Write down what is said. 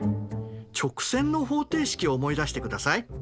直線の方程式を思い出してください。